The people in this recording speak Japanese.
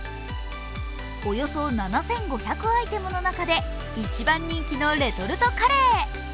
およそ７５００アイテムの中で一番人気のレトルトカレー。